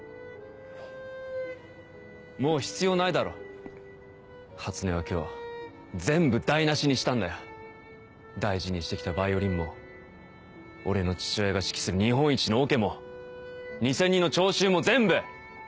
もう必要ないだろ初音は今日全部台無しにしたんだよ大事にしてきたヴァイオリンも俺の父親が指揮する日本一のオケも２０００人の聴衆も全部！